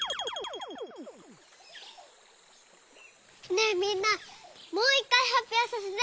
ねえみんなもういっかいはっぴょうさせて。